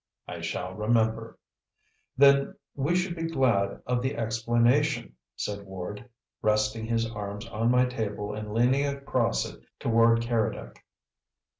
"I shall remember." "Then we should be glad of the explanation," said Ward, resting his arms on my table and leaning across it toward Keredec.